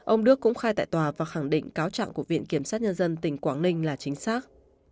ông đức cũng khai tại tòa và khẳng định cáo trạng của viện kiểm sát nhân dân tỉnh quảng ninh là chính xác